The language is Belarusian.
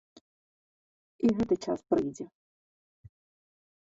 І гэты час прыйдзе!